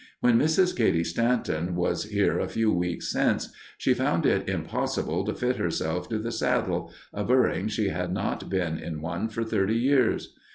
When Mrs. Cady Stanton was here a few weeks since, she found it impossible to fit herself to the saddle, averring she had not been in one for thirty years.